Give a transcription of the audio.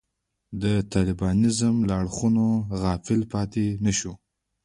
د طالبانیزم له اړخونو غافل پاتې نه شو.